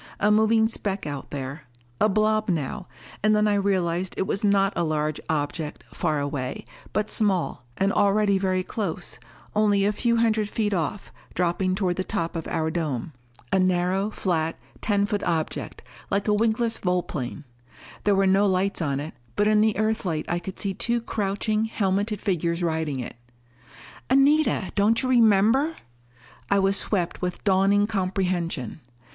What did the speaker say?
A moving speck out there. A blob now. And then I realized it was not a large object, far away, but small, and already very close only a few hundred feet off, dropping toward the top of our dome. A narrow, flat, ten foot object, like a wingless volplane. There were no lights on it, but in the Earthlight I could see two crouching, helmeted figures riding it. "Anita! Don't you remember!" I was swept with dawning comprehension.